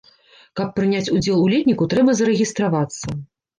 Каб прыняць удзел у летніку, трэба зарэгістравацца.